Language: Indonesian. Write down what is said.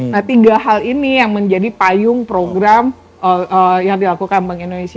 nah tiga hal ini yang menjadi payung program yang dilakukan bank indonesia